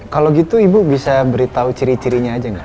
kalau gitu ibu bisa beritahu ciri cirinya aja nggak